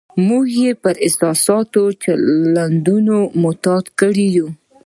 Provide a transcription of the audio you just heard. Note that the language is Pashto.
موږ یې پر احساساتي چلندونو معتاد کړي یو.